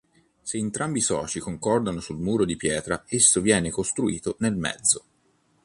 Se entrambi i soci concordano sul muro di pietra esso viene costruito nel mezzo.